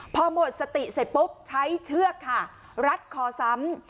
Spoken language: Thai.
พอหมดสติเสร็จปุ๊บใช้เชือกค่ะรัดคอซ้ำ